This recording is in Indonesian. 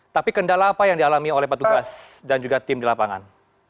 tapi kendala apa yang dialami oleh petugas dan juga tim di lapangan